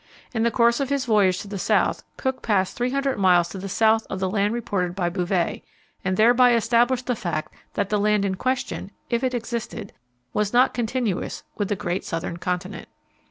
In the course of his voyage to the south Cook passed 300 miles to the south of the land reported by Bouvet, and thereby established the fact that the land in question if it existed was not continuous with the great southern continent.